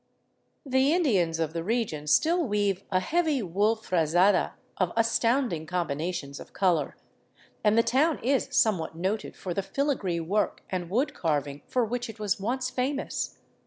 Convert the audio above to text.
The Indians of the region still weave a heavy wool frazada of astounding combinations of color, and the town is somewhat noted for the filigree work and wood carving for which it was once famous.